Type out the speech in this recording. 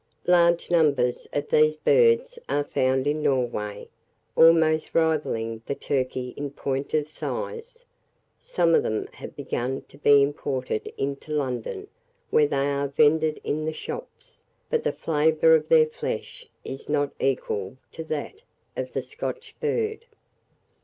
Large numbers of these birds are found in Norway, almost rivalling the turkey in point of size. Some of them have begun to be imported into London, where they are vended in the shops; but the flavour of their flesh is not equal to that of the Scotch bird.